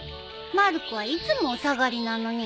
まる子はいつもお下がりなのに。